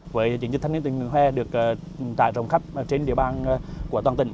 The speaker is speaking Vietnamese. với chính trị tham niên tỉnh nguyện hè được trải rộng khắp trên địa bàn của toàn tỉnh